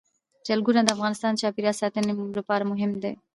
چنګلونه د افغانستان د چاپیریال ساتنې لپاره مهم دي.